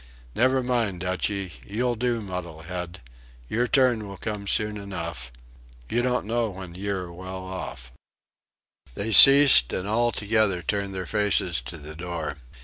"Never mind, Dutchy... You'll do, muddle head.... Your turn will come soon enough... You don't know when ye're well off." They ceased, and all together turned their faces to the door.